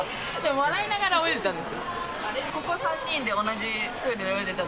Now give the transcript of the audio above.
笑いながら泳いでたんです。